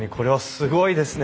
すごいですね。